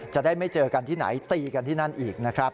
จะได้ไม่เจอกันที่ไหนตีกันที่นั่นอีกนะครับ